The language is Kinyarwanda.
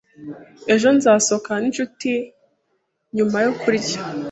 Ejo nzasohokana n'inshuti nyuma yo kurya.